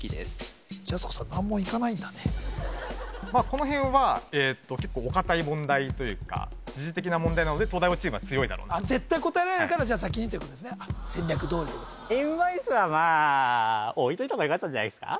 この辺は結構お堅い問題というか時事的な問題なので東大王チームは強いだろうな絶対答えられるから先にということですね戦略どおりとインボイスはまあ置いといた方がよかったんじゃないですか